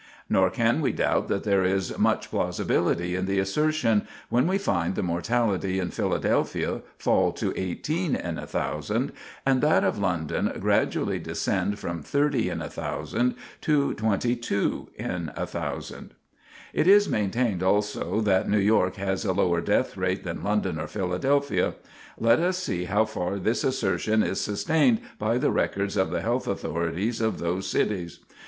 Nor can we doubt that there is much plausibility in the assertion, when we find the mortality in Philadelphia fall to 18 in 1,000, and that of London gradually descend from 30 in 1,000 to 22 in 1,000. [Sidenote: New York, London, and Liverpool Compared] It is maintained, also, that New York has a lower death rate than London or Philadelphia. Let us see how far this assertion is sustained by the records of the health authorities of those cities.